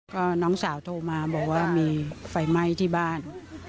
ก็น้องสาวโทรมาบอกว่ามีไฟไหม้ที่บ้าน